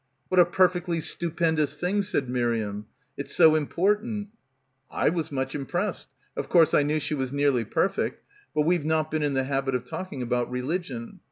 " "What a perfectly stupendous thing," said Mir iam. "It's so important." — 193 — PILGRIMAGE "I was much impressed. Of course, I knew she was nearly perfect. But we've not been in the habit of talking about religion.